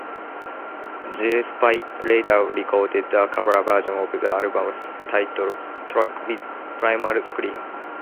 Gillespie later recorded a cover version of the album's title track with Primal Scream.